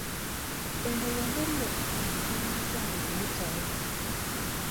Eno y'engeri yokka gye tuyinza okuyitawo.